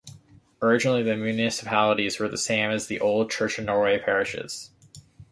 Originally the municipalities were the same as the old Church of Norway parishes.